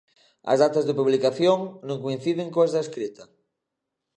As datas de publicación non coinciden coas da escrita.